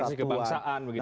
ya narasi kebangsaan begitu ya